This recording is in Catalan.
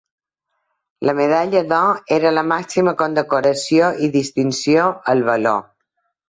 La medalla d'or era la màxima condecoració i distinció al valor.